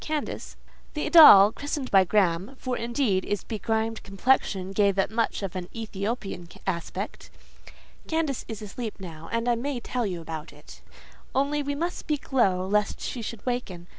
Candace" (the doll, christened by Graham; for, indeed, its begrimed complexion gave it much of an Ethiopian aspect)—"Candace is asleep now, and I may tell you about it; only we must both speak low, lest she should waken.